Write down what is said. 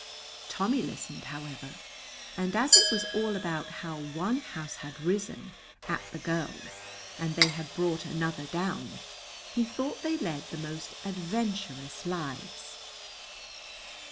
Tommy listened, however, and as it was all about how one house had risen at the girls and they had brought another down, he thought they led the most adventurous lives.